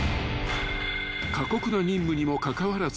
［過酷な任務にもかかわらず］